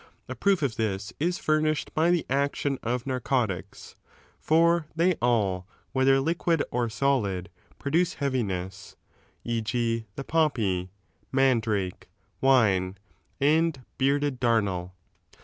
A proof of this is furnished by the action of narcotics ; for they all, whether liquid or solid, produce heaviness, e.g. the poppy, mandrake, wine, and bearded el.